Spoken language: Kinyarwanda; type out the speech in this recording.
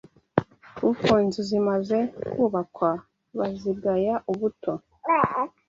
kuko inzu zimaze kubakwa bazigaya ubuto